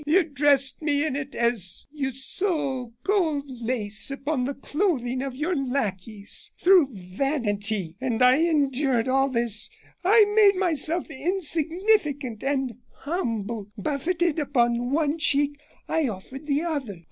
You dressed me in it, as you sew gold lace upon the clothing of your lackeys, through vanity. And I endured all this; I made myself insignificant and humble; buffeted upon one cheek, I offered the other.